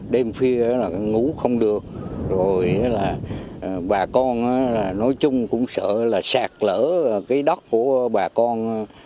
đêm phia ngủ không được bà con nói chung cũng sợ sạt lỡ đất của bà con